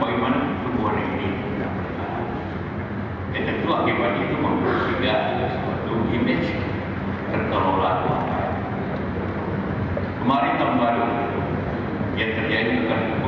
yang pertama ngamuk secara orang dari keseliru